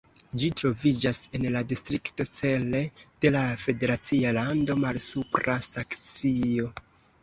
Ĝi troviĝas en la distrikto Celle de la federacia lando Malsupra Saksio.